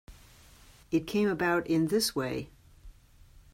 It came about in this way.